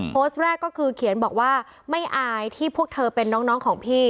โพสต์แรกก็คือเขียนบอกว่าไม่อายที่พวกเธอเป็นน้องของพี่